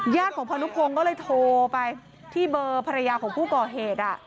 ของพานุพงศ์ก็เลยโทรไปที่เบอร์ภรรยาของผู้ก่อเหตุ